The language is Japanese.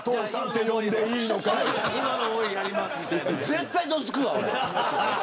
絶対どつくわ、俺。